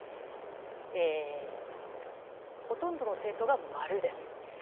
ほとんどの政党が〇です。